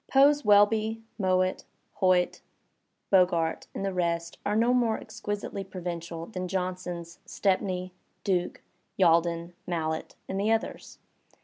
Poe's Welby, Mowatt, Hoyt, Bogart and the rest are no more ex quisitely provincial than Johnson's Stepney, Duke, Yalden, Mallett and the others.